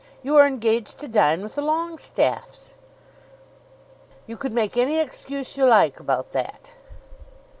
You are engaged to dine with the Longestaffes!" "You could make any excuse you like about that."